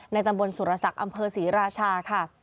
ในตำบลสุรษักรรมอำเภอศรีราชา